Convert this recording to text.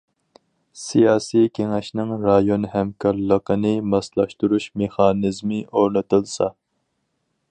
سىياسىي كېڭەشنىڭ رايون ھەمكارلىقىنى ماسلاشتۇرۇش مېخانىزمى ئورنىتىلسا.